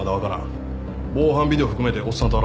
防犯ビデオ含めておっさんと洗ってる。